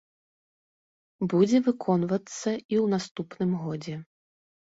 Будзе выконвацца і ў наступным годзе.